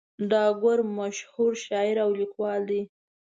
ټاګور مشهور شاعر او لیکوال دی.